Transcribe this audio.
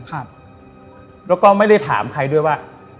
แล้วก็ไม่ได้ถามใครด้วยว่า